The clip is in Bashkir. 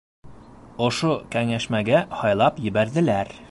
Ошо кәңәшмәгә һайлап ебәрҙеләр.